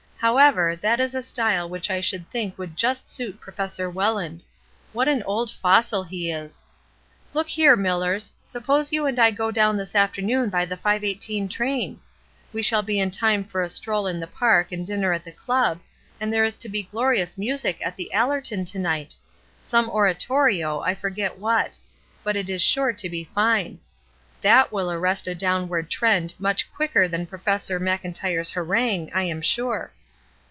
However, that is a style which I should think would just suit Professor Welland. What an old fossil he is ! Look here, Millars, suppose you and I go to town this afternoon by the 5.18 train? We 212 ESTER RIED^S NAMESAKE shall be in time for a stroll in the park and dinner at the Club, and there is to be glorious music at The AUerton to night. Some ora torio, I forget what ; but it is sure to be fine. That will arrest a downward trend much quicker than Professor Mclntyre's harangue, I am sure."